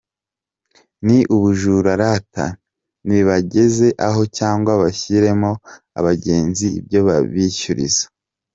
Ni ubujura rata nibageze aho cg bashyiriremo abagenzi ibyo babishyuriza.